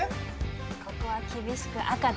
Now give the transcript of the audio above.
ここは厳しく赤で。